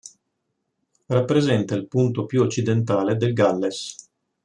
Rappresenta il punto più occidentale del Galles.